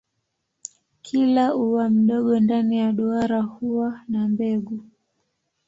Kila ua mdogo ndani ya duara huwa na mbegu.